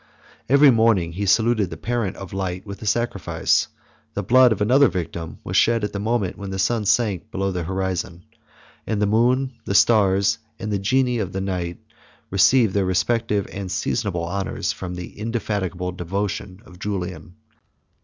Every morning he saluted the parent of light with a sacrifice; the blood of another victim was shed at the moment when the Sun sunk below the horizon; and the Moon, the Stars, and the Genii of the night received their respective and seasonable honors from the indefatigable devotion of Julian.